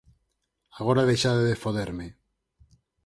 Agora deixade de foderme!